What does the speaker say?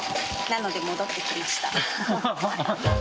なので戻ってきました。